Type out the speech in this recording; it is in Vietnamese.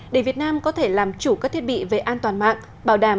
để việt nam có thể làm chủ các thiết bị về an toàn mạng